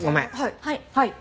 はい。